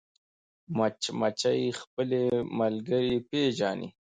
مچمچۍ خپلې ملګرې پېژني